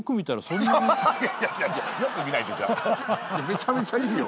いやめちゃめちゃいいよ。